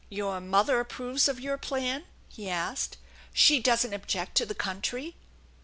" Your mother approves of your plan ?" he asked. " She doesn't object to the country